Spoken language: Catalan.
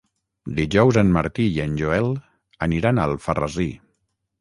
Dijous en Martí i en Joel aniran a Alfarrasí.